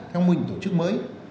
theo mình tổ chức mới